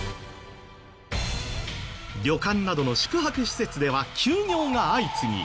旅館などの宿泊施設では休業が相次ぎ。